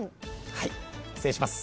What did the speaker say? はい失礼します。